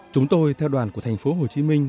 chúng tôi theo đoàn của thành phố hồ chí minh